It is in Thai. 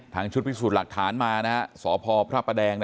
ทางชุดพิสูจน์หลักฐานมานะสพพระประแดงนะครับ